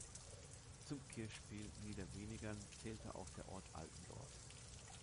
Zum Kirchspiel Niederwenigern zählte auch der Ort Altendorf.